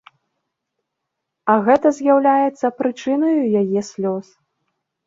А гэта з'яўляецца прычынаю яе слёз.